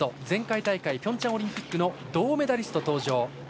前回大会ピョンチャンオリンピックの銅メダリスト登場。